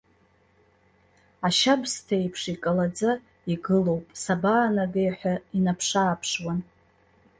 Ашьабсҭа еиԥш икалаӡа игы лоуп, сабаанагеи ҳәа инаԥшы-ааԥшуан.